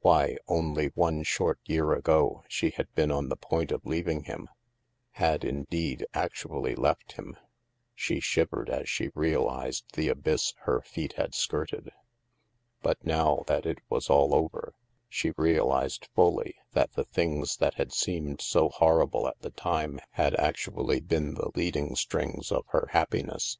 Why, only one short year ago, she had been on the point of leaving him — had, indeed, actually left him. She shivered as she realized the abyss her feet had skirted. But now that it was all over, she realized fully that the things that had seemed so horrible at the time had actually been the leading strings of her happiness.